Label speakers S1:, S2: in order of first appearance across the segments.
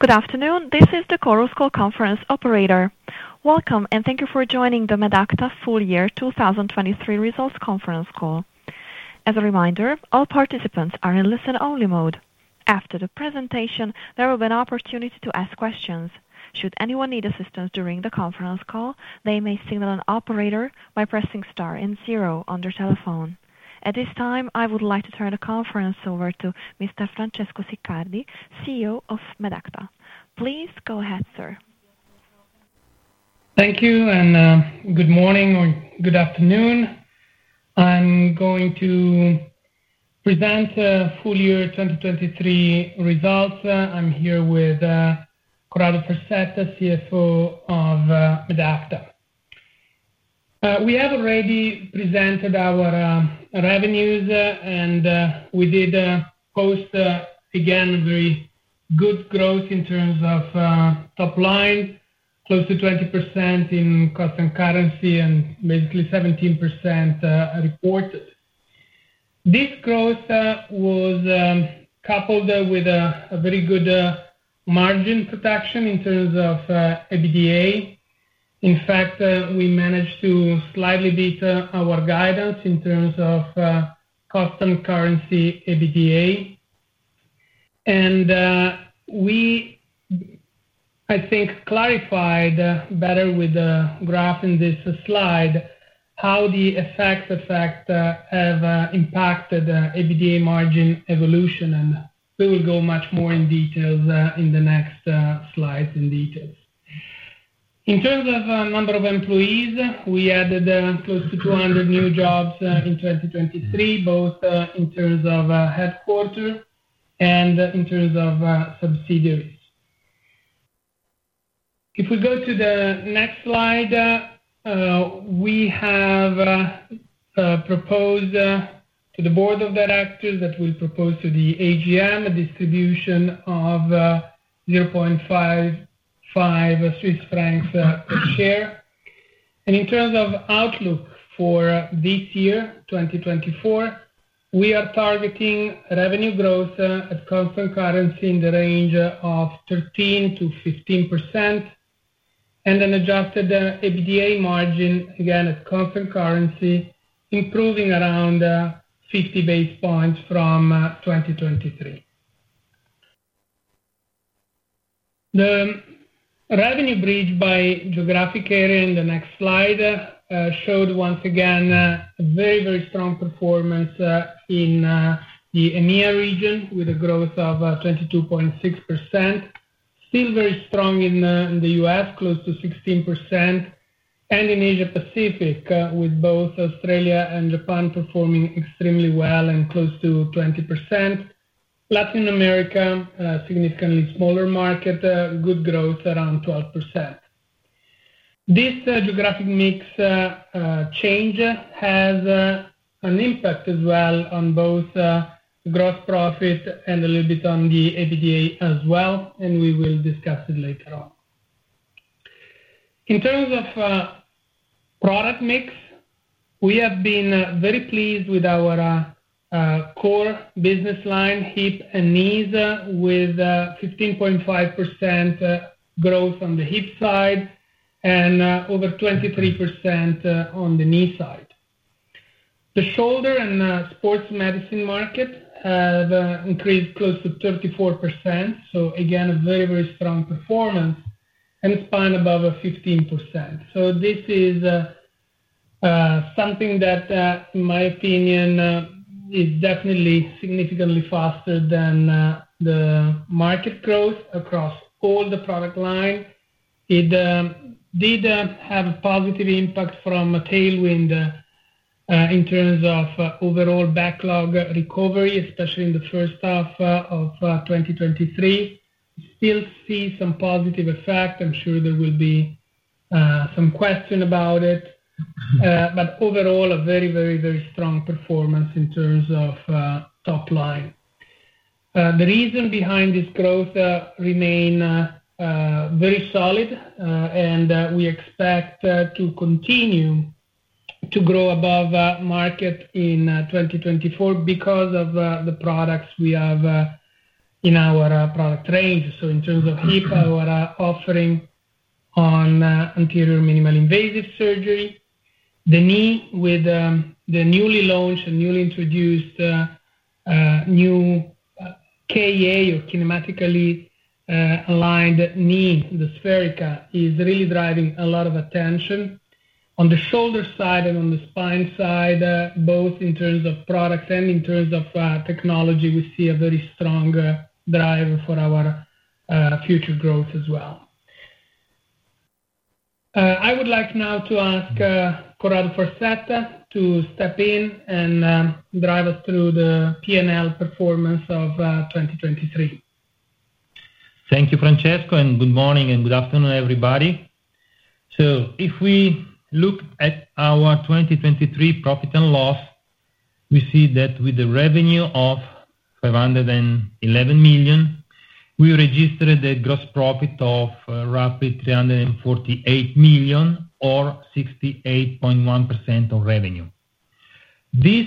S1: Good afternoon, this is the Chorus Call Conference operator. Welcome, and thank you for joining the Medacta Full Year 2023 Results Conference Call. As a reminder, all participants are in listen-only mode. After the presentation, there will be an opportunity to ask questions. Should anyone need assistance during the conference call, they may signal an operator by pressing star and zero on their telephone. At this time, I would like to turn the conference over to Mr. Francesco Siccardi, CEO of Medacta. Please go ahead, sir.
S2: Thank you, and good morning or good afternoon. I'm going to present Full Year 2023 Results. I'm here with Corrado Farsetta, CFO of Medacta. We have already presented our revenues, and we did post again very good growth in terms of top line, close to 20% in constant currency and basically 17% reported. This growth was coupled with a very good margin protection in terms of EBITDA. In fact, we managed to slightly beat our guidance in terms of constant currency EBITDA. And we, I think, clarified better with a graph in this slide how the effects have impacted EBITDA margin evolution. And we will go much more into details in the next slides. In terms of number of employees, we added close to 200 new jobs in 2023, both in terms of headquarters and in terms of subsidiaries. If we go to the next slide, we have proposed to the board of directors that we'll propose to the AGM a distribution of 0.55 Swiss francs per share. And in terms of outlook for this year, 2024, we are targeting revenue growth at constant currency in the range of 13%-15% and an adjusted EBITDA margin, again at constant currency, improving around 50 basis points from 2023. The revenue bridge by geographic area in the next slide showed once again very, very strong performance in the EMEA region with a growth of 22.6%. Still very strong in the U.S., close to 16%. And in Asia Pacific, with both Australia and Japan performing extremely well and close to 20%. Latin America, significantly smaller market, good growth around 12%. This geographic mix change has an impact as well on both gross profit and a little bit on the EBITDA as well. We will discuss it later on. In terms of product mix, we have been very pleased with our core business line, hip and knees, with 15.5% growth on the hip side and over 23% on the knee side. The shoulder and sports medicine market have increased close to 34%. So, again, a very, very strong performance. And spine above 15%. So this is something that, in my opinion, is definitely significantly faster than the market growth across all the product line. It did have a positive impact from a tailwind, in terms of overall backlog recovery, especially in the first half of 2023. Still see some positive effect. I'm sure there will be some question about it. But overall, a very, very, very strong performance in terms of top line. The reason behind this growth remain very solid, and we expect to continue to grow above market in 2024 because of the products we have in our product range. So in terms of hip, our offering on anterior minimally invasive surgery. The knee with the newly launched and newly introduced new KA or kinematically aligned knee, the SpheriKA, is really driving a lot of attention. On the shoulder side and on the spine side, both in terms of products and in terms of technology, we see a very strong drive for our future growth as well. I would like now to ask Corrado Farsetta to step in and drive us through the P&L performance of 2023.
S3: Thank you, Francesco. And good morning and good afternoon, everybody. So if we look at our 2023 profit and loss, we see that with revenue of 511 million, we registered a gross profit of roughly 348 million or 68.1% of revenue. This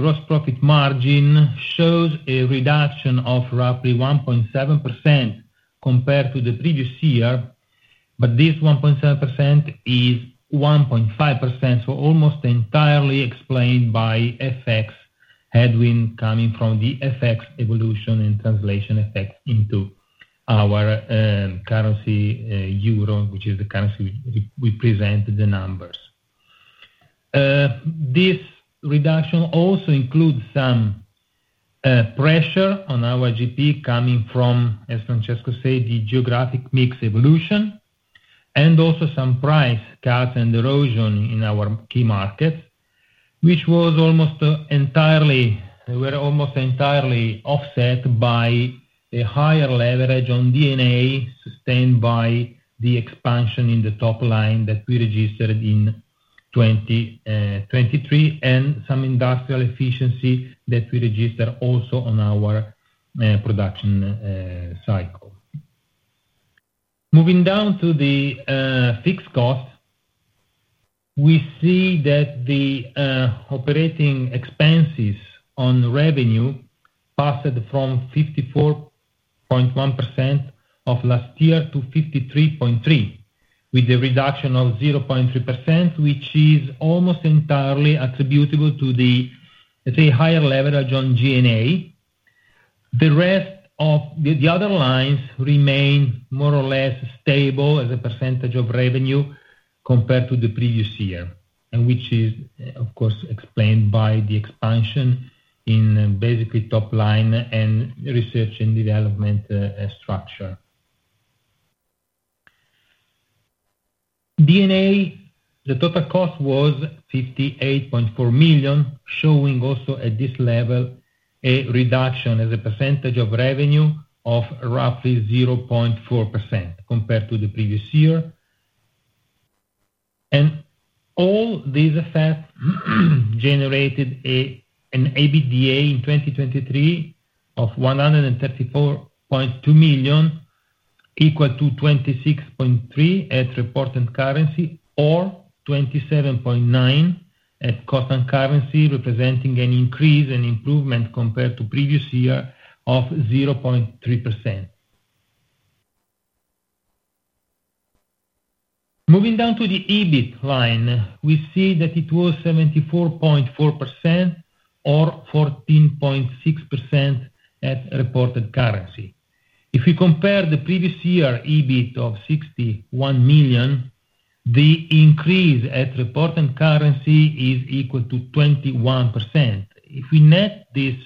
S3: gross profit margin shows a reduction of roughly 1.7% compared to the previous year. But this 1.7% is 1.5%, so almost entirely explained by FX headwind coming from the FX evolution and translation effect into our currency, euro, which is the currency we present the numbers. This reduction also includes some pressure on our GP coming from, as Francesco said, the geographic mix evolution and also some price cuts and erosion in our key markets, which was almost entirely offset by a higher leverage on G&A sustained by the expansion in the top line that we registered in 2023 and some industrial efficiency that we registered also on our production cycle. Moving down to the fixed costs, we see that the operating expenses on revenue passed from 54.1% of last year to 53.3% with a reduction of 0.3%, which is almost entirely attributable to the, let's say, higher leverage on G&A. The rest of the other lines remain more or less stable as a percentage of revenue compared to the previous year, and which is, of course, explained by the expansion in basically top line and research and development structure. In addition, the total cost was 58.4 million, showing also at this level a reduction as a percentage of revenue of roughly 0.4% compared to the previous year. All these effects generated an EBITDA in 2023 of 134.2 million equal to 26.3% at reported currency or 27.9% at constant currency, representing an increase and improvement compared to previous year of 0.3%. Moving down to the EBIT line, we see that it was 74.4 million or 14.6% at reported currency. If we compare the previous year EBIT of 61 million, the increase at reported currency is equal to 21%. If we net this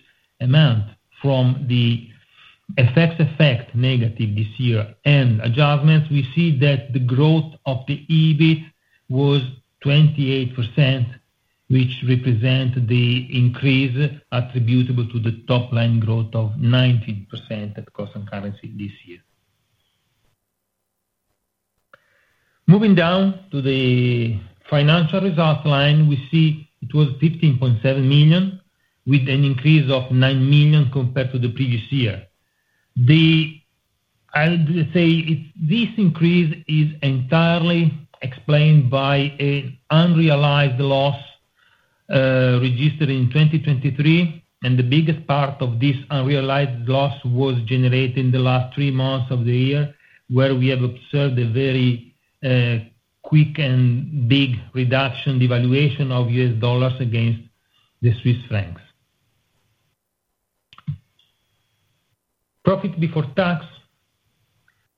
S3: amount from the FX effect negative this year and adjustments, we see that the growth of the EBIT was 28%, which represents the increase attributable to the top line growth of 19% at constant currency this year. Moving down to the financial result line, we see it was 15.7 million with an increase of 9 million compared to the previous year. I'll just say this increase is entirely explained by an unrealized loss, registered in 2023. And the biggest part of this unrealized loss was generated in the last three months of the year where we have observed a very quick and big reduction in the valuation of U.S. dollars against the Swiss francs. Profit before tax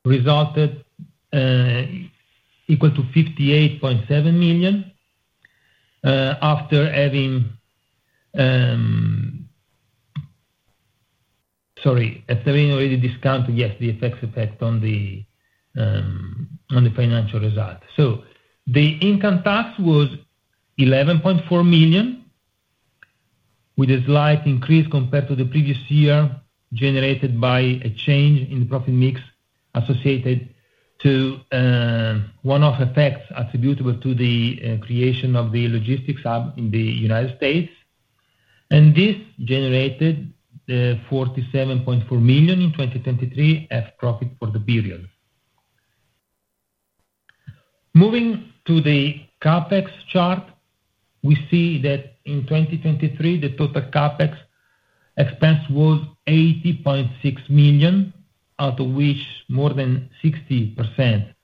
S3: resulted equal to EUR 58.7 million, after being already discounted the FX effect on the financial result. So the income tax was 11.4 million with a slight increase compared to the previous year generated by a change in the profit mix associated to one-off effects attributable to the creation of the logistics hub in the United States. And this generated 47.4 million in 2023 as profit for the period. Moving to the CapEx chart, we see that in 2023, the total CapEx expense was 80.6 million, out of which more than 60%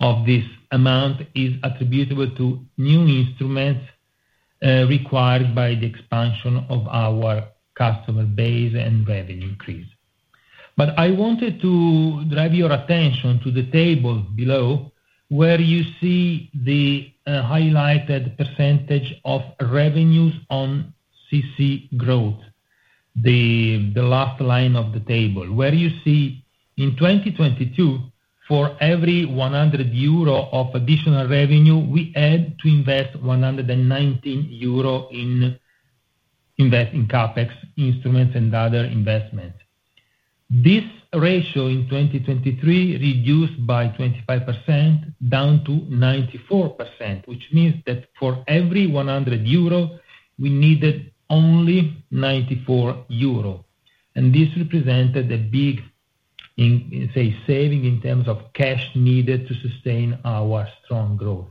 S3: of this amount is attributable to new instruments required by the expansion of our customer base and revenue increase. But I wanted to drive your attention to the table below where you see the highlighted percentage of revenues on CC growth, the last line of the table where you see in 2022, for every 100 euro of additional revenue, we had to invest 119 euro in CapEx instruments and other investments. This ratio in 2023 reduced by 25% down to 94%, which means that for every 100 euro, we needed only 94 euro. This represented a big win, say, saving in terms of cash needed to sustain our strong growth.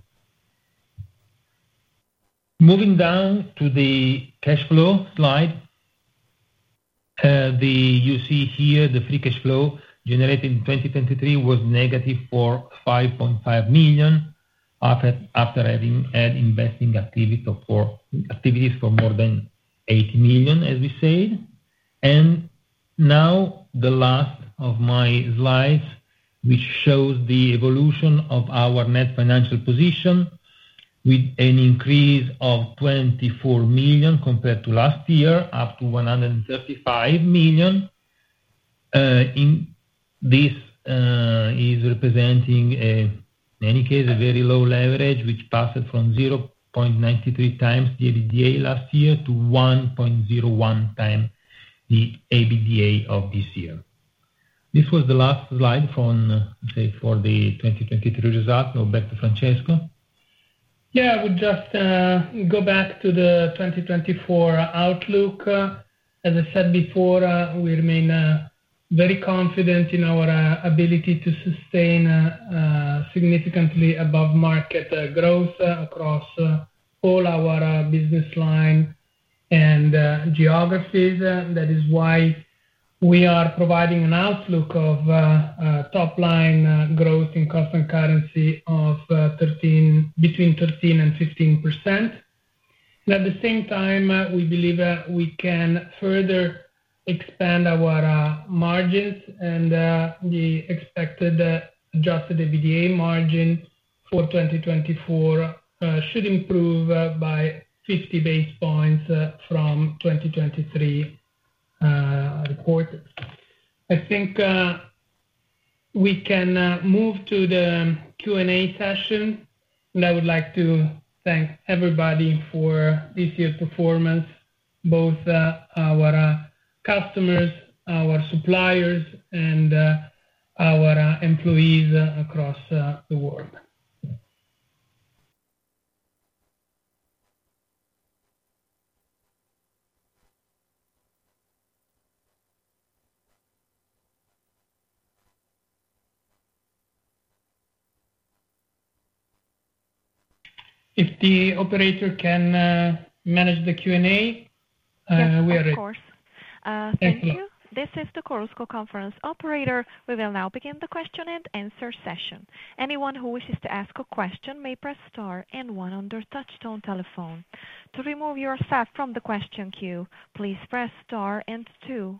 S3: Moving down to the cash flow slide, you see here, the free cash flow generated in 2023 was negative 5.5 million after having had investing activities for more than 80 million, as we said. Now the last of my slides, which shows the evolution of our net financial position with an increase of 24 million compared to last year, up to 135 million. This is representing, in any case, a very low leverage, which passed from 0.93 times the EBITDA last year to 1.01 times the EBITDA of this year. This was the last slide from, say, for the 2023 result. Now, back to Francesco.
S2: Yeah. I would just go back to the 2024 outlook. As I said before, we remain very confident in our ability to sustain significantly above-market growth across all our business line and geographies. And that is why we are providing an outlook of top-line growth in constant currency of between 13% and 15%. And at the same time, we believe we can further expand our margins. And the expected adjusted EBITDA margin for 2024 should improve by 50 basis points from 2023 reported. I think we can move to the Q&A session. And I would like to thank everybody for this year's performance, both our customers, our suppliers, and our employees across the world. If the operator can manage the Q&A, we are ready.
S1: Yes, of course. Thank you. This is the Chorus Call Conference Operator. We will now begin the question and answer session. Anyone who wishes to ask a question may press star and one on their touchstone telephone. To remove yourself from the question queue, please press star and two.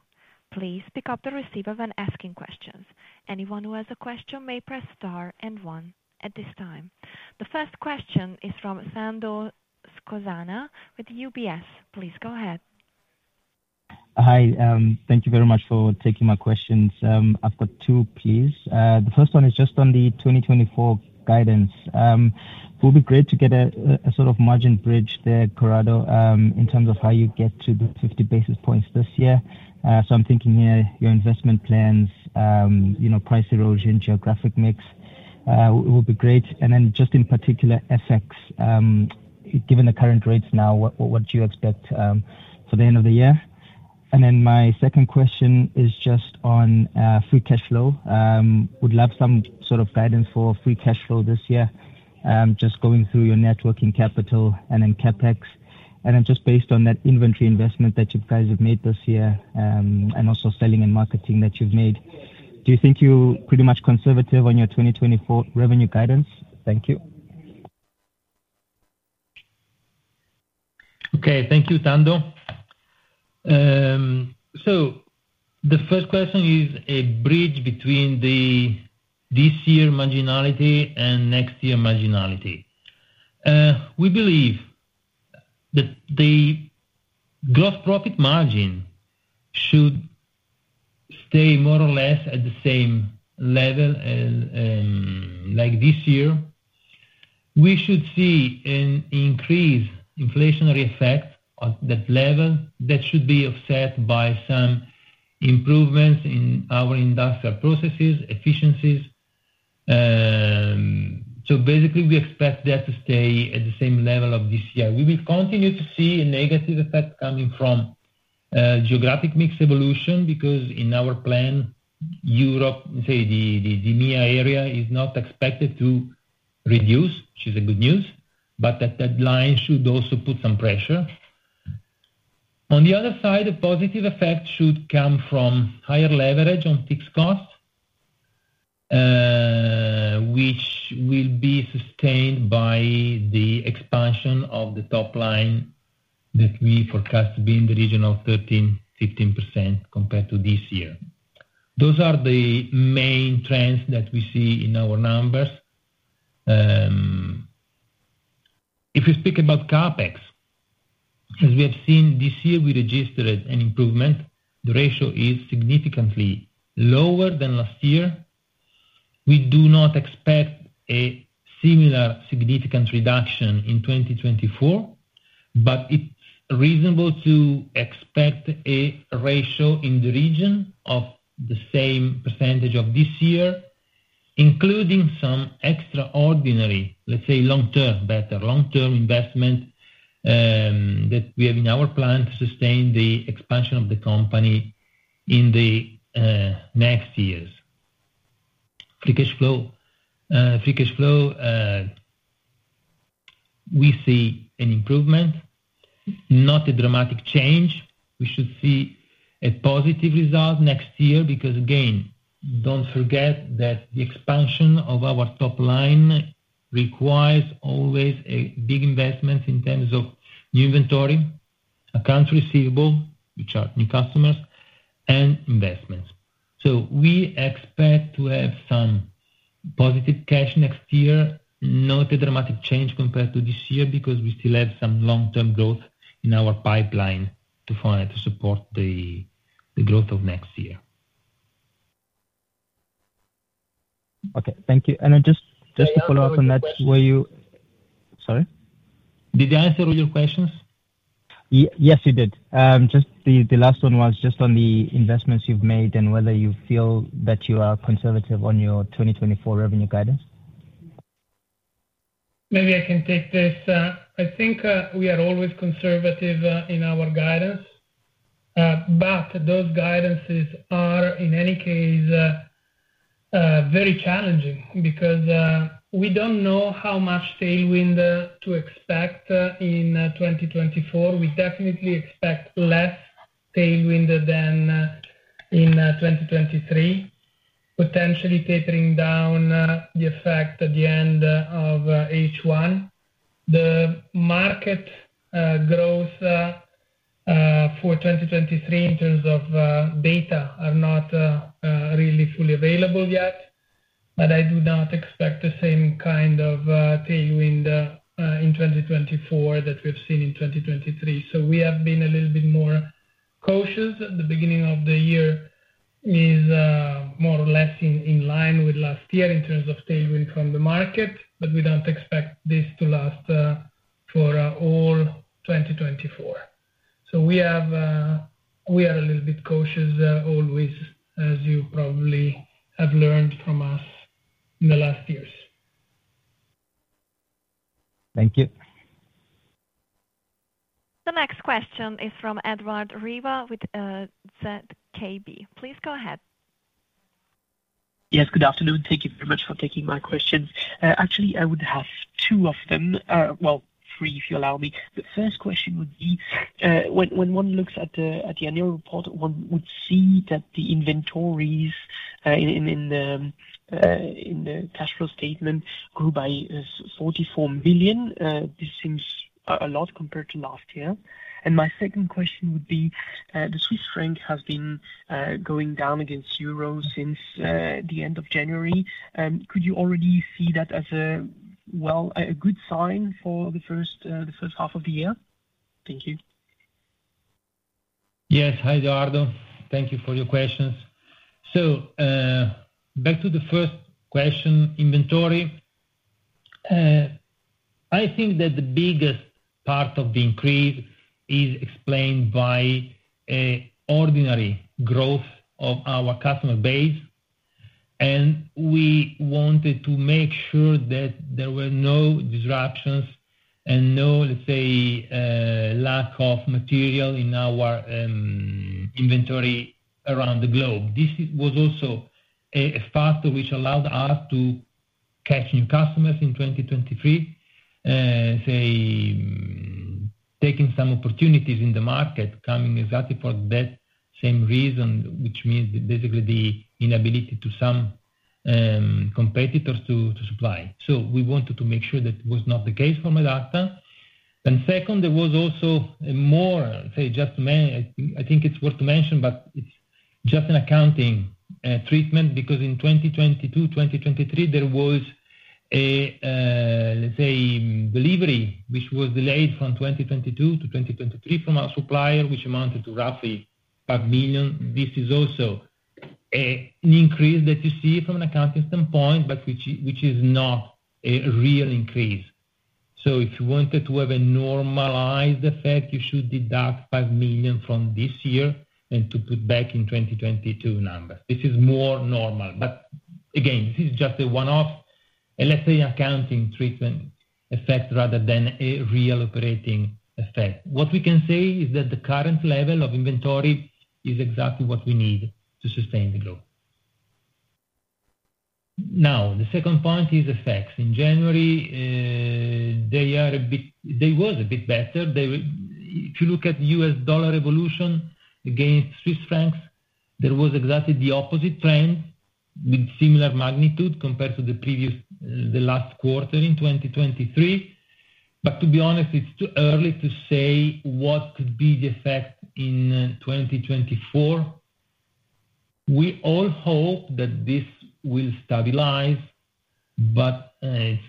S1: Please pick up the receiver when asking questions. Anyone who has a question may press star and one at this time. The first question is from Thando Skosana with UBS. Please go ahead.
S4: Hi. Thank you very much for taking my questions. I've got two, please. The first one is just on the 2024 guidance. It would be great to get a sort of margin bridge there, Corrado, in terms of how you get to the 50 basis points this year. So I'm thinking here your investment plans, you know, price erosion, geographic mix. It would be great. And then just in particular, FX, given the current rates now, what do you expect for the end of the year? And then my second question is just on free cash flow. Would love some sort of guidance for free cash flow this year, just going through your working capital and then CapEx. And then just based on that inventory investment that you guys have made this year, and also selling and marketing that you've made, do you think you're pretty much conservative on your 2024 revenue guidance? Thank you.
S3: Okay. Thank you, Thando. So the first question is a bridge between the this year marginality and next year marginality. We believe that the gross profit margin should stay more or less at the same level as, like this year. We should see an increase inflationary effect at that level that should be offset by some improvements in our industrial processes, efficiencies. So basically, we expect that to stay at the same level of this year. We will continue to see a negative effect coming from geographic mix evolution because in our plan, Europe, say, the EMEA area is not expected to reduce, which is good news, but that line should also put some pressure. On the other side, a positive effect should come from higher leverage on fixed costs, which will be sustained by the expansion of the top line that we forecast to be in the region of 13%-15% compared to this year. Those are the main trends that we see in our numbers. If we speak about CapEx, as we have seen this year, we registered an improvement. The ratio is significantly lower than last year. We do not expect a similar significant reduction in 2024, but it's reasonable to expect a ratio in the region of the same percentage of this year, including some extraordinary, let's say, long-term better, long-term investment, that we have in our plan to sustain the expansion of the company in the next years. Free cash flow, free cash flow, we see an improvement, not a dramatic change. We should see a positive result next year because, again, don't forget that the expansion of our top line requires always a big investment in terms of new inventory, accounts receivable, which are new customers, and investments. We expect to have some positive cash next year, not a dramatic change compared to this year because we still have some long-term growth in our pipeline to find to support the growth of next year.
S4: Okay. Thank you. And then just to follow up on that where you sorry?
S3: Did I answer all your questions?
S4: Yes, you did. Just the last one was just on the investments you've made and whether you feel that you are conservative on your 2024 revenue guidance.
S2: Maybe I can take this. I think we are always conservative in our guidance. Those guidances are, in any case, very challenging because we don't know how much tailwind to expect in 2024. We definitely expect less tailwind than in 2023, potentially tapering down the effect at the end of H1. The market growth for 2023 in terms of data are not really fully available yet. But I do not expect the same kind of tailwind in 2024 that we've seen in 2023. So we have been a little bit more cautious. The beginning of the year is more or less in line with last year in terms of tailwind from the market. But we don't expect this to last for all 2024. So we are a little bit cautious always, as you probably have learned from us in the last years.
S4: Thank you.
S1: The next question is from Edouard Riva with ZKB. Please go ahead.
S5: Yes. Good afternoon. Thank you very much for taking my questions. Actually, I would have two of them, well, three, if you allow me. The first question would be, when one looks at the annual report, one would see that the inventories in the cash flow statement grew by 44 million. This seems a lot compared to last year. And my second question would be, the Swiss franc has been going down against euro since the end of January. Could you already see that as well, a good sign for the first half of the year? Thank you.
S3: Yes. Hi, Edouard. Thank you for your questions. So, back to the first question, inventory. I think that the biggest part of the increase is explained by ordinary growth of our customer base. And we wanted to make sure that there were no disruptions and no, let's say, lack of material in our inventory around the globe. This was also a factor which allowed us to catch new customers in 2023, say, taking some opportunities in the market, coming exactly for that same reason, which means basically the inability to some competitors to supply. So we wanted to make sure that was not the case for Medacta. And second, there was also a more, say, just to mention I think, it's worth to mention, but it's just an accounting treatment because in 2022, 2023, there was a, let's say, delivery which was delayed from 2022 to 2023 from our supplier, which amounted to roughly 5 million. This is also an increase that you see from an accounting standpoint, but which, which is not a real increase. So if you wanted to have a normalized effect, you should deduct 5 million from this year and to put back in 2022 numbers. This is more normal. But again, this is just a one-off, let's say, accounting treatment effect rather than a real operating effect. What we can say is that the current level of inventory is exactly what we need to sustain the globe. Now, the second point is effects. In January, they were a bit better. They were, if you look at the U.S. dollar evolution against Swiss francs, there was exactly the opposite trend with similar magnitude compared to the last quarter in 2023. But to be honest, it's too early to say what could be the effect in 2024. We all hope that this will stabilize, but it's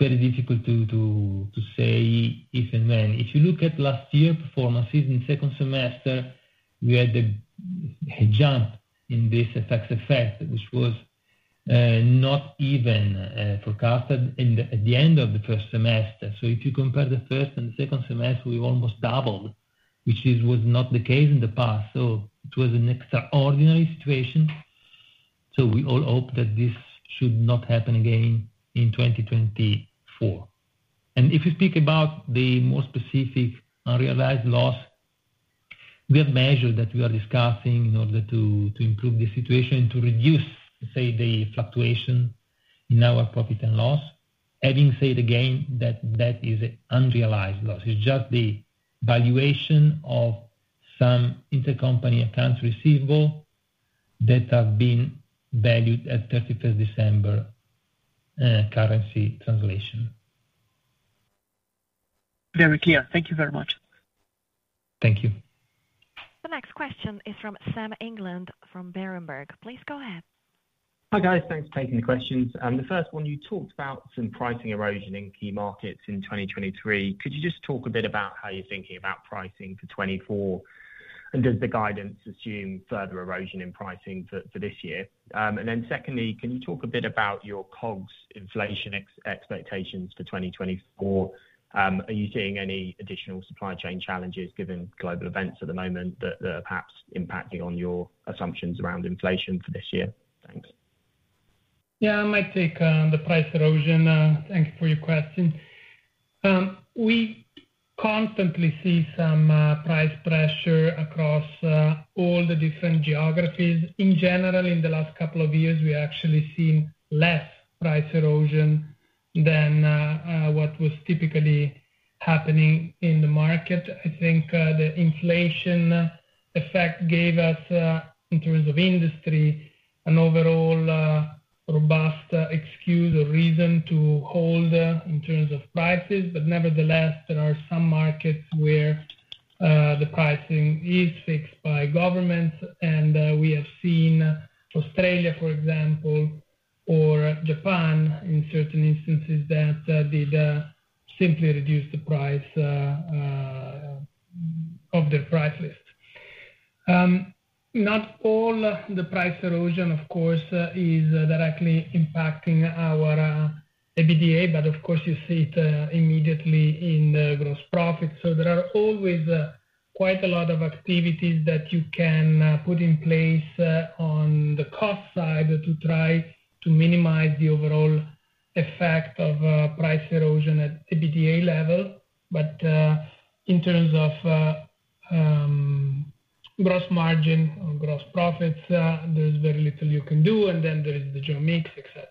S3: very difficult to say if and when. If you look at last year performances in second semester, we had a jump in this effect, which was not even forecasted at the end of the first semester. So if you compare the first and the second semester, we almost doubled, which was not the case in the past. So it was an extraordinary situation. So we all hope that this should not happen again in 2024. If you speak about the more specific unrealized loss, we have measures that we are discussing in order to improve the situation and to reduce, say, the fluctuation in our profit and loss, having said again that that is an unrealized loss. It's just the valuation of some intercompany accounts receivable that have been valued at 31st December, currency translation.
S5: Very clear. Thank you very much.
S3: Thank you.
S1: The next question is from Sam England from Berenberg. Please go ahead.
S6: Hi guys. Thanks for taking the questions. The first one, you talked about some pricing erosion in key markets in 2023. Could you just talk a bit about how you're thinking about pricing for 2024? And does the guidance assume further erosion in pricing for, for this year? And then secondly, can you talk a bit about your COGS inflation expectations for 2024? Are you seeing any additional supply chain challenges given global events at the moment that, that are perhaps impacting on your assumptions around inflation for this year? Thanks.
S2: Yeah. I might take the price erosion. Thank you for your question. We constantly see some price pressure across all the different geographies. In general, in the last couple of years, we've actually seen less price erosion than what was typically happening in the market. I think the inflation effect gave us, in terms of industry, an overall robust excuse or reason to hold in terms of prices. But nevertheless, there are some markets where the pricing is fixed by governments. We have seen Australia, for example, or Japan in certain instances that did simply reduce the price of their price list. Not all the price erosion, of course, is directly impacting our EBITDA, but of course, you see it immediately in the gross profit. So there are always quite a lot of activities that you can put in place on the cost side to try to minimize the overall effect of price erosion at EBITDA level. But in terms of gross margin or gross profits, there's very little you can do. And then there is the joint mix, etc.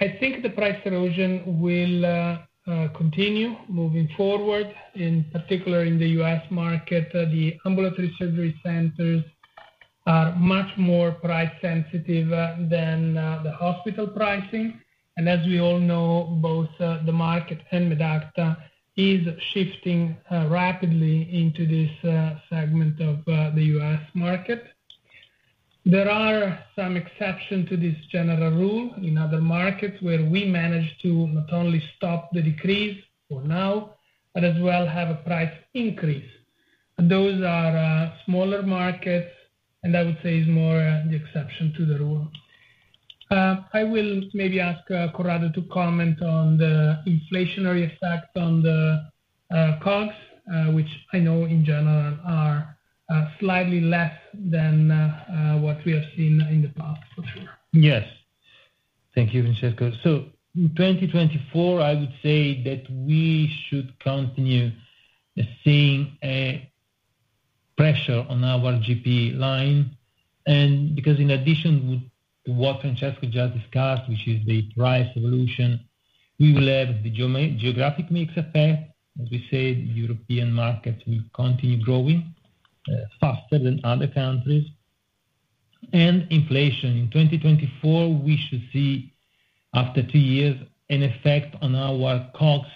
S2: I think the price erosion will continue moving forward, in particular in the U.S. market. The ambulatory surgery centers are much more price-sensitive than the hospital pricing. And as we all know, both the market and Medacta is shifting rapidly into this segment of the U.S. market. There are some exceptions to this general rule in other markets where we manage to not only stop the decrease for now, but as well have a price increase. Those are smaller markets, and I would say is more the exception to the rule. I will maybe ask Corrado to comment on the COGS, which I know in general are slightly less than what we have seen in the past for sure.
S3: Yes. Thank you, Francesco. So in 2024, I would say that we should continue seeing a pressure on our GP line. And because in addition to what Francesco just discussed, which is the price evolution, we will have the geographic mix effect. As we say, the European markets will continue growing faster than other countries. And inflation. In 2024, we should see, after two years, an effect on our COGS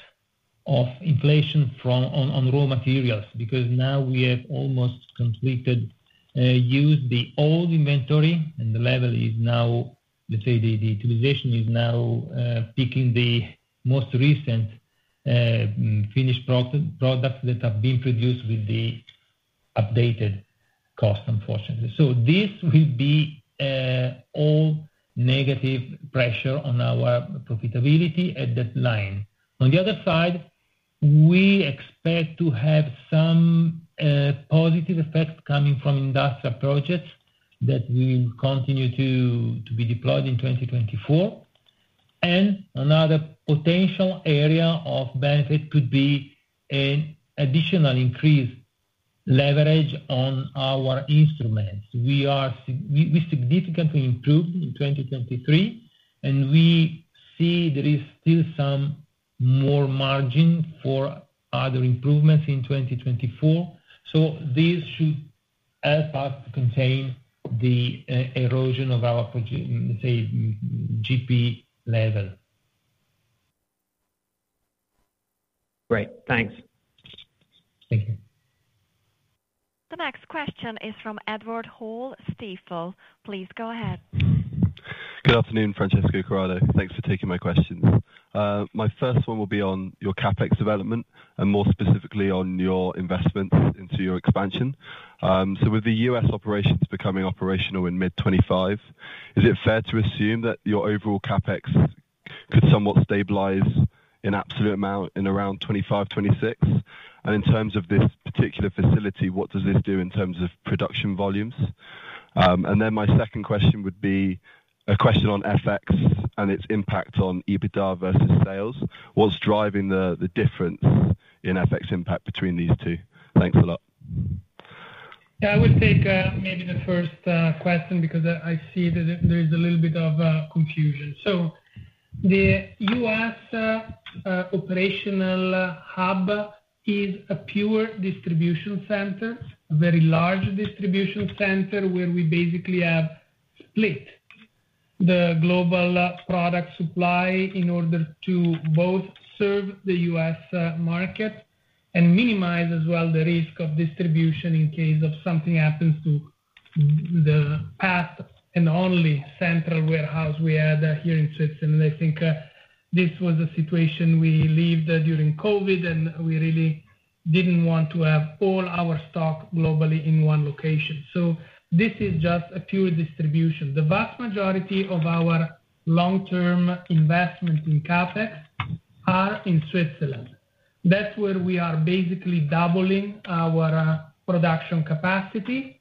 S3: of inflation on raw materials because now we have almost completed using the old inventory, and the level is now, let's say, the utilization is now peaking the most recent finished products that have been produced with the updated cost, unfortunately. So this will be all negative pressure on our profitability at that line. On the other side, we expect to have some positive effects coming from industrial projects that will continue to be deployed in 2024. Another potential area of benefit could be an additional increased leverage on our instruments. We significantly improved in 2023, and we see there is still some more margin for other improvements in 2024. So this should help us to contain the erosion of our gross profit, let's say, GP level.
S6: Great. Thanks.
S3: Thank you.
S1: The next question is from Edward Hall. Please go ahead.
S7: Good afternoon, Francesco, Corrado. Thanks for taking my questions. My first one will be on your CapEx development and more specifically on your investments into your expansion. So with the U.S. operations becoming operational in mid-2025, is it fair to assume that your overall CapEx could somewhat stabilize an absolute amount in around 2025, 2026? And in terms of this particular facility, what does this do in terms of production volumes? And then my second question would be a question on FX and its impact on EBITDA versus sales. What's driving the difference in FX impact between these two? Thanks a lot.
S2: Yeah. I would take, maybe the first, question because I, I see that there is a little bit of, confusion. So the U.S. operational hub is a pure distribution center, a very large distribution center where we basically have split the global product supply in order to both serve the U.S. market and minimize as well the risk of distribution in case of something happens to the past and only central warehouse we had here in Switzerland. I think, this was a situation we lived during COVID, and we really didn't want to have all our stock globally in one location. So this is just a pure distribution. The vast majority of our long-term investment in CapEx are in Switzerland. That's where we are basically doubling our, production capacity.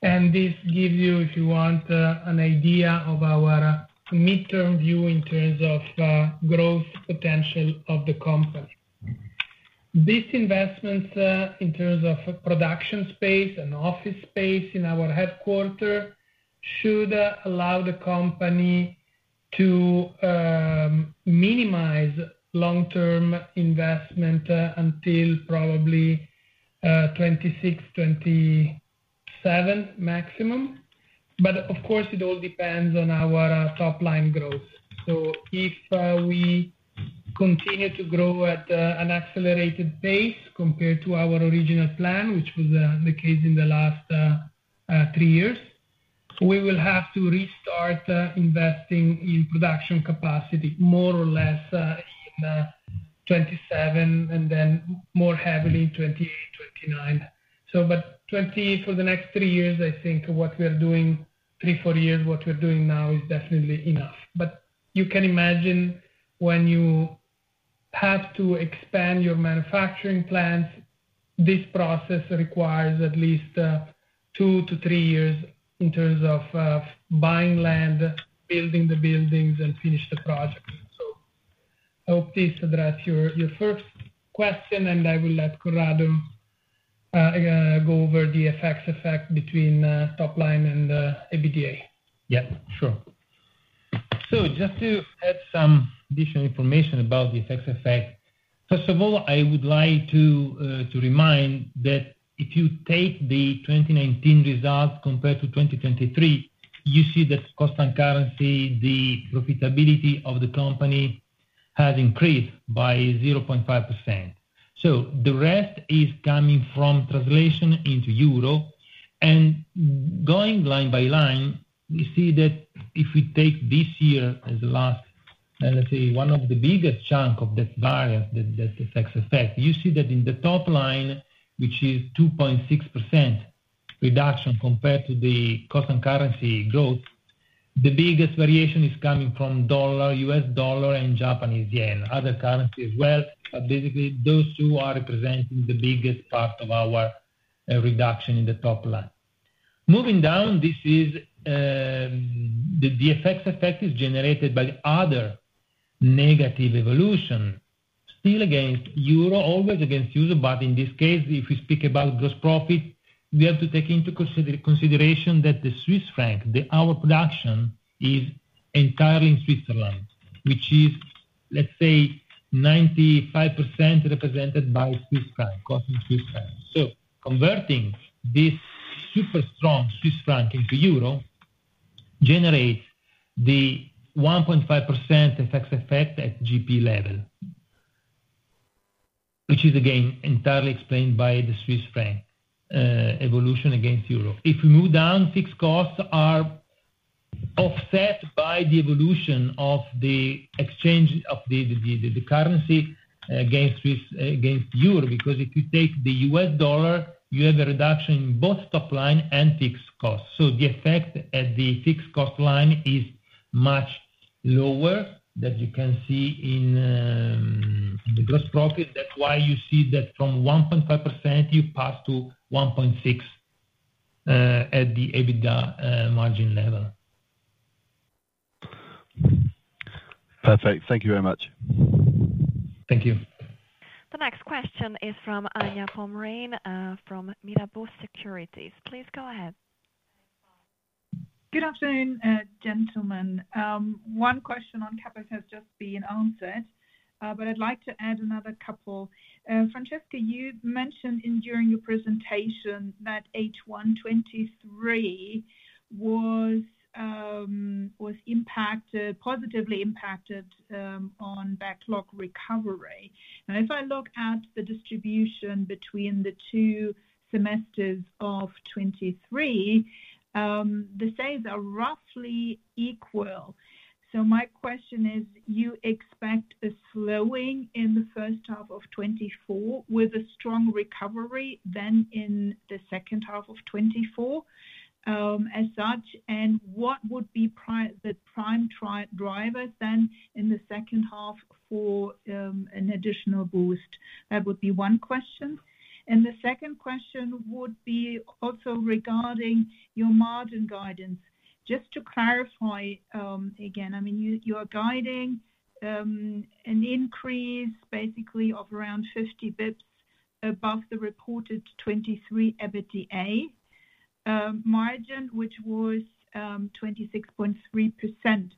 S2: And this gives you, if you want, an idea of our, mid-term view in terms of, growth potential of the company. These investments, in terms of production space and office space in our headquarters, should allow the company to minimize long-term investment until probably 2026, 2027 maximum. But of course, it all depends on our top-line growth. So if we continue to grow at an accelerated pace compared to our original plan, which was the case in the last three years, we will have to restart investing in production capacity more or less in 2027 and then more heavily in 2028, 2029. So but 2020 for the next three years, I think what we are doing three, four years, what we are doing now is definitely enough. But you can imagine when you have to expand your manufacturing plants, this process requires at least two to three years in terms of buying land, building the buildings, and finish the project. I hope this addressed your first question, and I will let Corrado go over the FX effect between top-line and EBITDA.
S3: Yeah. Sure. So just to add some additional information about the FX effect, first of all, I would like to, to remind that if you take the 2019 result compared to 2023, you see that constant currency, the profitability of the company has increased by 0.5%. So the rest is coming from translation into euro. And going line by line, we see that if we take this year as the last, let's say, one of the biggest chunks of that variance, that, that FX effect, you see that in the top line, which is 2.6% reduction compared to the constant currency growth, the biggest variation is coming from dollar, U.S. dollar, and Japanese yen, other currencies as well. But basically, those two are representing the biggest part of our, reduction in the top line. Moving down, this is the FX effect is generated by other negative evolution still against euro, always against euro. But in this case, if we speak about gross profit, we have to take into consideration that the Swiss franc, our production is entirely in Switzerland, which is, let's say, 95% represented by Swiss franc, cost in Swiss franc. So converting this super strong Swiss franc into euro generates the 1.5% FX effect at GP level, which is again entirely explained by the Swiss franc, evolution against euro. If we move down, fixed costs are offset by the evolution of the exchange of the currency against Swiss against euro because if you take the U.S. dollar, you have a reduction in both top line and fixed costs. So the effect at the fixed cost line is much lower than you can see in the gross profit. That's why you see that from 1.5%, you pass to 1.6% at the EBITDA margin level.
S7: Perfect. Thank you very much.
S3: Thank you.
S1: The next question is from [Anya Komreign], from Mirabaud Securities. Please go ahead.
S8: Good afternoon, gentlemen. One question on CapEx has just been answered, but I'd like to add another couple. Francesco, you mentioned during your presentation that H1 2023 was impacted, positively impacted, on backlog recovery. And if I look at the distribution between the two semesters of 2023, the sales are roughly equal. So my question is, you expect a slowing in the first half of 2024 with a strong recovery then in the second half of 2024, as such? And what would be the prime drivers then in the second half for an additional boost? That would be one question. And the second question would be also regarding your margin guidance. Just to clarify, again, I mean, you are guiding an increase basically of around 50 bps above the reported 2023 EBITDA margin, which was 26.3%.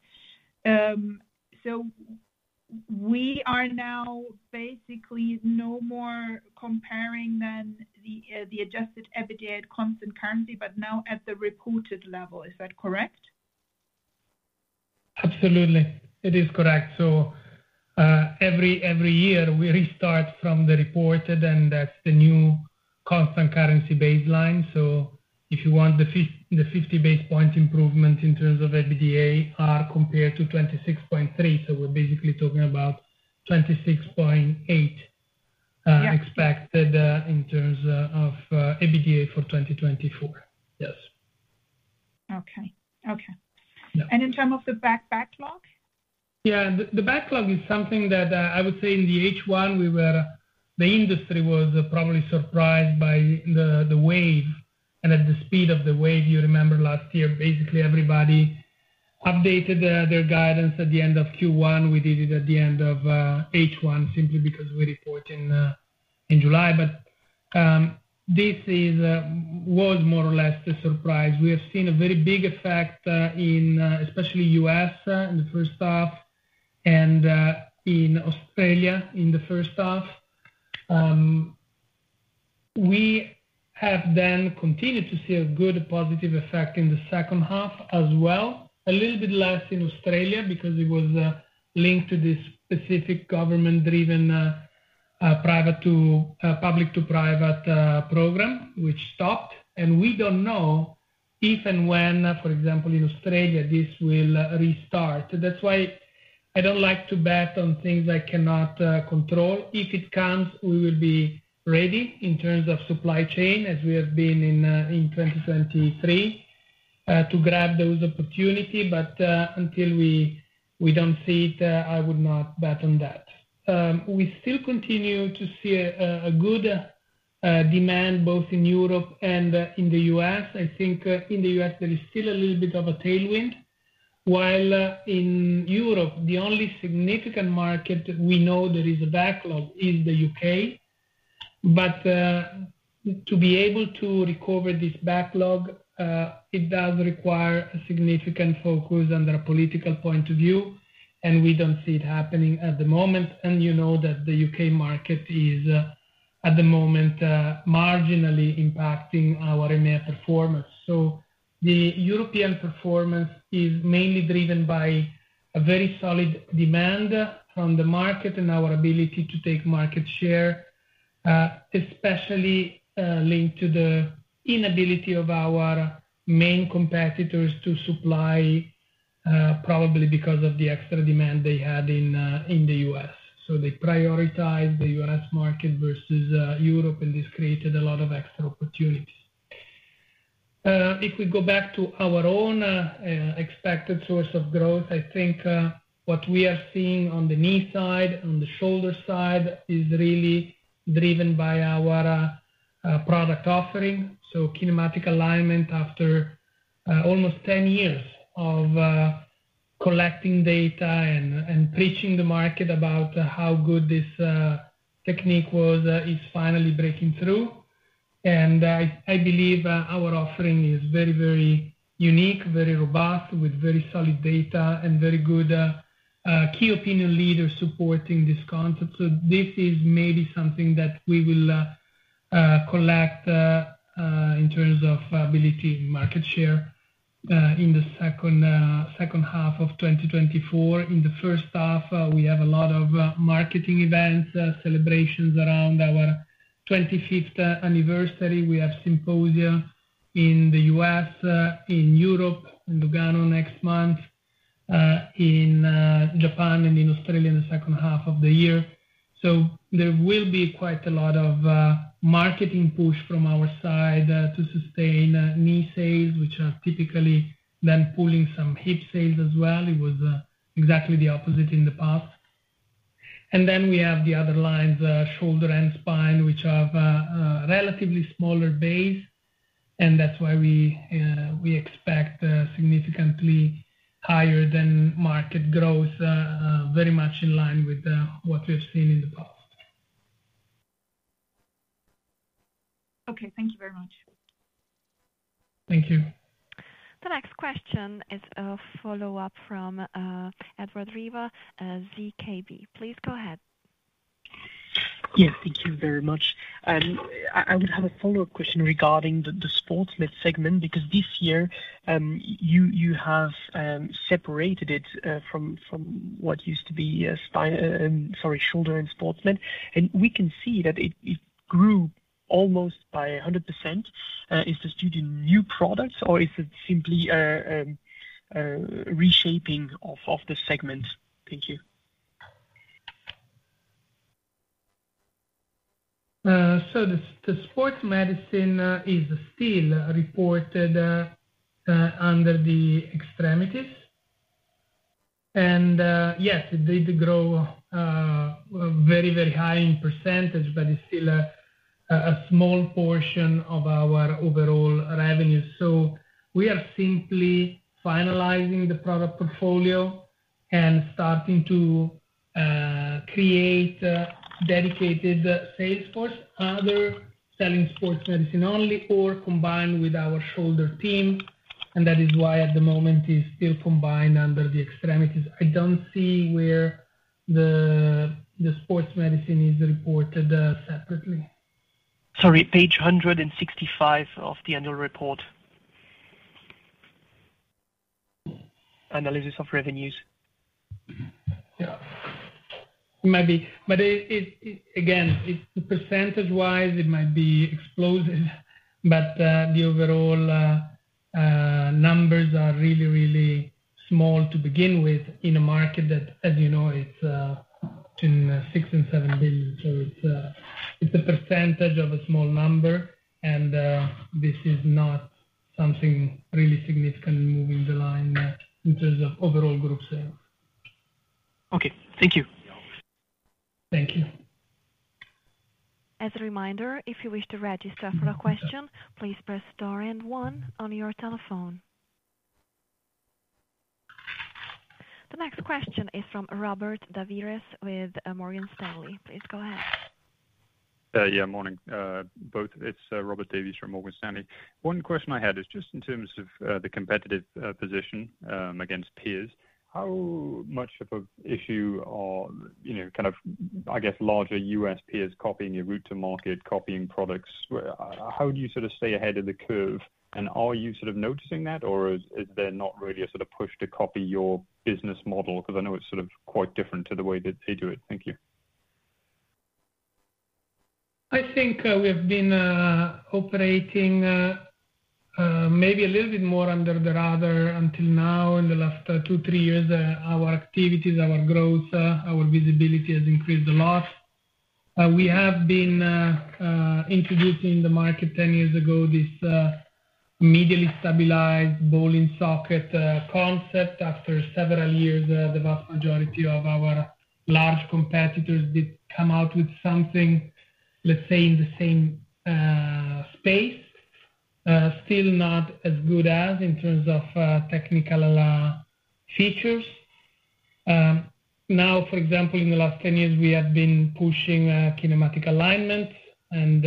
S8: We are now basically no more comparing than the adjusted EBITDA at constant currency, but now at the reported level. Is that correct?
S2: Absolutely. It is correct. So, every year, we restart from the reported, and that's the new constant currency baseline. So if you want the 50 basis points improvement in terms of EBITDA compared to 26.3%. So we're basically talking about 26.8%, expected, in terms of EBITDA for 2024. Yes.
S8: Okay. Okay. And in terms of the back backlog?
S2: Yeah. The backlog is something that, I would say in the H1, we were, the industry was probably surprised by the wave and at the speed of the wave. You remember last year, basically, everybody updated their guidance at the end of Q1. We did it at the end of H1 simply because we report in July. But this was more or less the surprise. We have seen a very big effect in, especially U.S. in the first half and in Australia in the first half. We have then continued to see a good positive effect in the second half as well, a little bit less in Australia because it was linked to this specific government-driven private to public to private program, which stopped. And we don't know if and when, for example, in Australia, this will restart. That's why I don't like to bet on things I cannot control. If it comes, we will be ready in terms of supply chain as we have been in 2023 to grab those opportunities. But until we don't see it, I would not bet on that. We still continue to see a good demand both in Europe and in the U.S. I think in the U.S. there is still a little bit of a tailwind. While in Europe, the only significant market we know there is a backlog is the U.K. But to be able to recover this backlog, it does require a significant focus under a political point of view. And we don't see it happening at the moment. And you know that the U.K. market is at the moment marginally impacting our EMEA performance. So the European performance is mainly driven by a very solid demand from the market and our ability to take market share, especially linked to the inability of our main competitors to supply, probably because of the extra demand they had in the U.S. So they prioritized the U.S. market versus Europe, and this created a lot of extra opportunities. If we go back to our own expected source of growth, I think what we are seeing on the knee side, on the shoulder side, is really driven by our product offering. So kinematic alignment after almost 10 years of collecting data and preaching the market about how good this technique was is finally breaking through. And I believe our offering is very, very unique, very robust, with very solid data, and very good key opinion leaders supporting this concept. So this is maybe something that we will collect in terms of ability market share in the second half of 2024. In the first half, we have a lot of marketing events, celebrations around our 25th anniversary. We have symposia in the U.S., in Europe, in Lugano next month, in Japan and in Australia in the second half of the year. So there will be quite a lot of marketing push from our side to sustain knee sales, which are typically then pulling some hip sales as well. It was exactly the opposite in the past. And then we have the other lines, shoulder and spine, which have relatively smaller base. And that's why we expect significantly higher than market growth, very much in line with what we have seen in the past.
S8: Okay. Thank you very much.
S2: Thank you.
S1: The next question is a follow-up from Edouard Riva of ZKB. Please go ahead.
S5: Yes. Thank you very much. I would have a follow-up question regarding the sports med segment because this year, you have separated it from what used to be spine, sorry, shoulder and sports med. And we can see that it grew almost by 100%. Is it due to new products, or is it simply a reshaping of the segment? Thank you.
S2: So the sports medicine is still reported under the extremities. Yes, it did grow very, very high in percentage, but it's still a small portion of our overall revenue. So we are simply finalizing the product portfolio and starting to create a dedicated sales force, either selling sports medicine only or combined with our shoulder team. And that is why at the moment it is still combined under the extremities. I don't see where the sports medicine is reported separately.
S5: Sorry. Page 165 of the annual report analysis of revenues.
S2: Yeah. It might be. But it again, it's percentage-wise, it might be explosive. But the overall numbers are really, really small to begin with in a market that, as you know, it's between 6 billion and 7 billion. So it's a percentage of a small number. And this is not something really significant moving the line in terms of overall group sales.
S5: Okay. Thank you.
S2: Thank you.
S1: As a reminder, if you wish to register for a question, please press star and one on your telephone. The next question is from Robert Davies with Morgan Stanley. Please go ahead.
S9: Yeah. Morning, both. It's Robert Davies from Morgan Stanley. One question I had is just in terms of the competitive position against peers. How much of an issue are, you know, kind of, I guess, larger U.S. peers copying your route to market, copying products? How do you sort of stay ahead of the curve? And are you sort of noticing that, or is there not really a sort of push to copy your business model? Because I know it's sort of quite different to the way that they do it. Thank you.
S2: I think we have been operating maybe a little bit more under the radar until now in the last two to three years. Our activities, our growth, our visibility has increased a lot. We have been introducing in the market 10 years ago this medially stabilized ball-in-socket concept. After several years, the vast majority of our large competitors did come out with something, let's say, in the same space, still not as good as in terms of technical features. Now, for example, in the last 10 years, we have been pushing kinematic alignment. And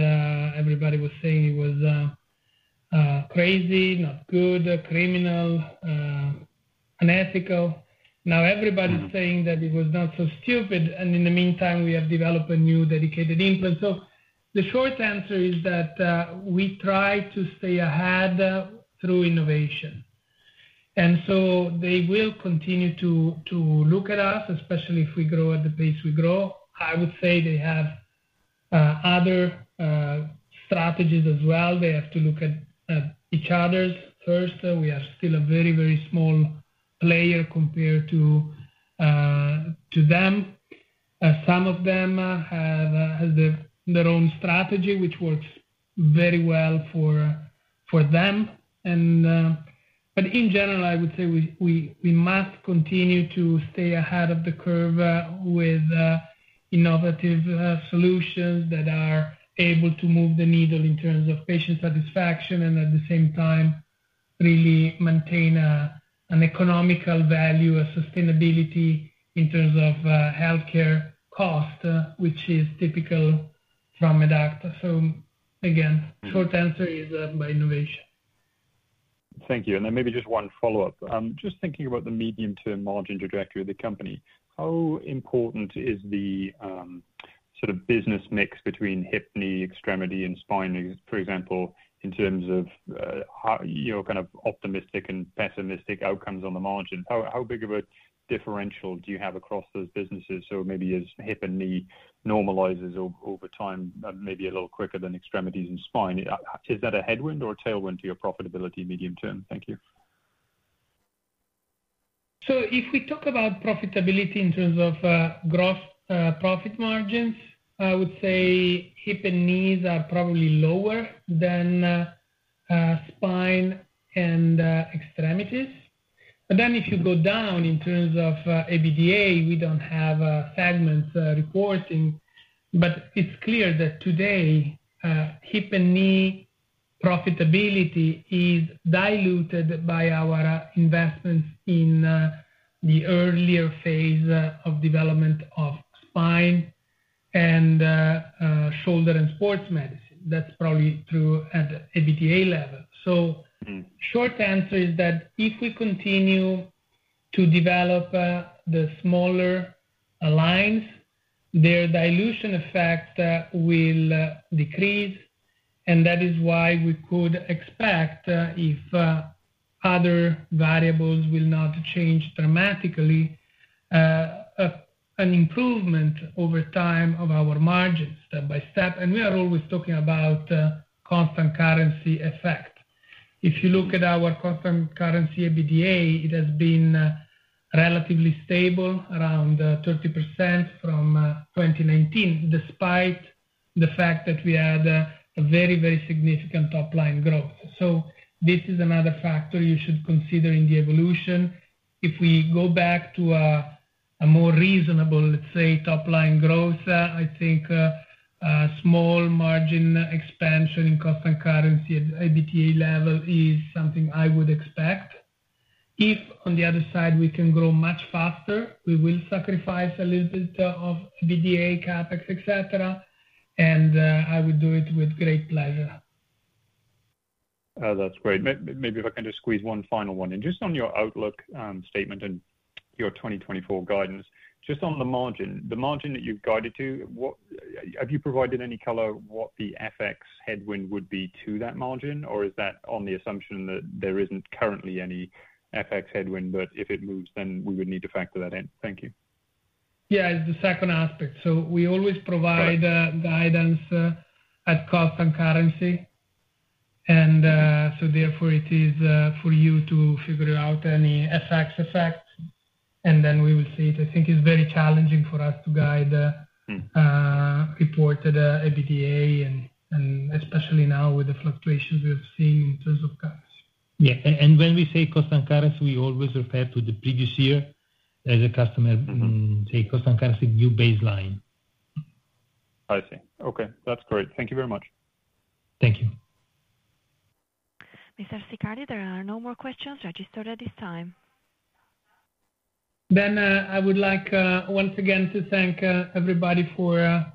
S2: everybody was saying it was crazy, not good, criminal, unethical. Now, everybody's saying that it was not so stupid. And in the meantime, we have developed a new dedicated implant. So the short answer is that we try to stay ahead through innovation. And so they will continue to look at us, especially if we grow at the pace we grow. I would say they have other strategies as well. They have to look at each other's first. We are still a very small player compared to them. Some of them have their own strategy, which works very well for them. But in general, I would say we must continue to stay ahead of the curve with innovative solutions that are able to move the needle in terms of patient satisfaction and at the same time really maintain an economical value, a sustainability in terms of healthcare cost, which is typical from Medacta. So again, short answer is, by innovation.
S9: Thank you. And then maybe just one follow-up. Just thinking about the medium-term margin trajectory of the company, how important is the sort of business mix between hip, knee, extremity, and spine, for example, in terms of how your kind of optimistic and pessimistic outcomes on the margin? How, how big of a differential do you have across those businesses? So maybe as hip and knee normalizes over, over time, maybe a little quicker than extremities and spine, is that a headwind or a tailwind to your profitability medium term? Thank you.
S2: So if we talk about profitability in terms of gross profit margins, I would say hip and knees are probably lower than spine and extremities. But then if you go down in terms of EBITDA, we don't have segments reporting. But it's clear that today, hip and knee profitability is diluted by our investments in the earlier phase of development of spine and shoulder and sports medicine. That's probably true at the EBITDA level. So short answer is that if we continue to develop the smaller lines, their dilution effect will decrease. And that is why we could expect, if other variables will not change dramatically, an improvement over time of our margins, step by step. And we are always talking about constant currency effect. If you look at our constant currency EBITDA, it has been relatively stable around 30% from 2019 despite the fact that we had a very, very significant top-line growth. So this is another factor you should consider in the evolution. If we go back to a more reasonable, let's say, top-line growth, I think small margin expansion in constant currency at EBITDA level is something I would expect. If on the other side, we can grow much faster, we will sacrifice a little bit of EBITDA, CapEx, etc. And I would do it with great pleasure.
S9: That's great. Maybe if I can just squeeze one final one. Just on your outlook statement and your 2024 guidance, just on the margin, the margin that you've guided to, what have you provided any color what the FX headwind would be to that margin? Or is that on the assumption that there isn't currently any FX headwind, but if it moves, then we would need to factor that in? Thank you.
S2: Yeah. The second aspect. So we always provide guidance at constant currency. And so therefore, it is for you to figure out any FX effect. And then we will see it. I think it's very challenging for us to guide reported EBITDA and especially now with the fluctuations we have seen in terms of currency.
S3: Yeah. And when we say constant currency, we always refer to the previous year as a comparator, say, constant currency new baseline.
S9: I see. Okay. That's great. Thank you very much.
S3: Thank you.
S1: Mr. Siccardi, there are no more questions registered at this time.
S2: I would like, once again, to thank everybody for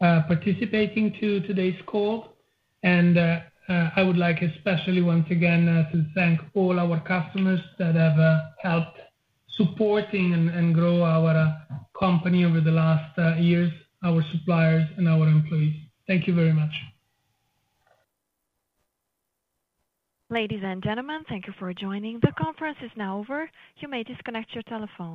S2: participating to today's call. I would like especially once again to thank all our customers that have helped supporting and grow our company over the last years, our suppliers and our employees. Thank you very much.
S1: Ladies and gentlemen, thank you for joining. The conference is now over. You may disconnect your telephone.